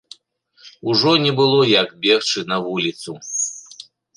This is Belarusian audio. Ужо не было як бегчы на вуліцу.